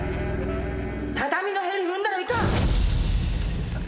畳のへり踏んだらいかん。